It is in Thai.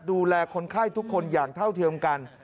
ดูแลคนไข้ทุกคนอย่างเท่าเทียมกัน